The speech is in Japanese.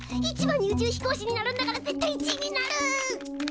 １番に宇宙飛行士になるんだから絶対１位になる！